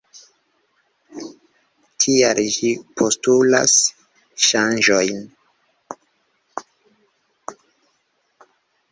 Tial ĝi postulas ŝanĝojn.